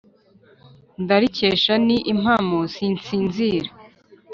Ndarikesha ni impamo sinsinzira